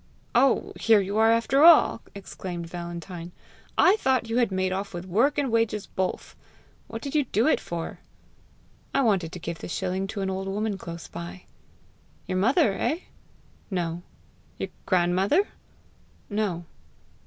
"Oh, here you are after all!" exclaimed Valentine. "I thought you had made off with work and wages both! What did you do it for?" "I wanted to give the shilling to an old woman close by." "Your mother eh?" "No." "Your grandmother?" "No."